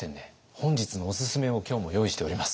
本日のおすすめを今日も用意しております。